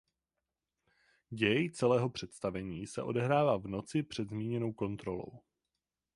Děj celého představení se odehrává v noci před zmíněnou kontrolou.